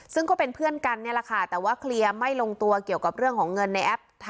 ซึ่งก็เป็นเพื่อนกันนี่แหละค่ะแต่ว่าเคลียร์ไม่ลงตัวเกี่ยวกับเรื่องของเงินในแอป